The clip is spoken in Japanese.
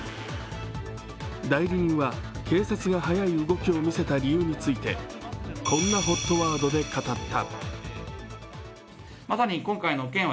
代理人は警察が早い動きを見せた理由についてこんなＨＯＴワードで語った。